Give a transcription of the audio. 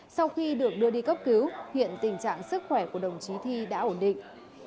sau khi được đưa đi cấp cứu hiện tình trạng sức khỏe của đồng chí thi đã ổn định